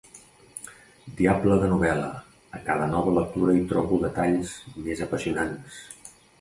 Diable de novel·la: a cada nova lectura hi trobo detalls més apassionants!